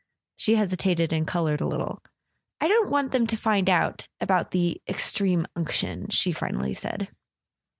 She hesitated and coloured a little. "I don't want them to find out—about the Extreme Unction," she finally said.